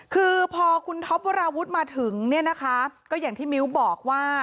คือพอคุณท็อปโวราวุฒิมาถึงคืออย่างที่มิ้วบอกว่า